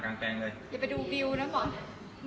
อย่าไปดูวิวนะหมอ